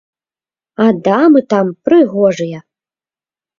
А дамы там, прыгожыя.